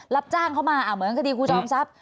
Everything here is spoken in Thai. รับจ้างเข้ามาเหมือนคดีครูจอมทรัพย์